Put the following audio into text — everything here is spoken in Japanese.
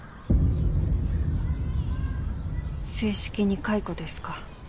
正式に解雇ですか。